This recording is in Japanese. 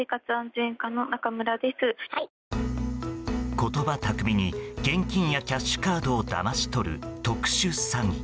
言葉巧みに現金やキャッシュカードをだまし取る特殊詐欺。